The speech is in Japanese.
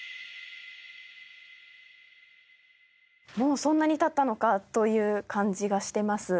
もうそんなに経ったのかという感じがしてます。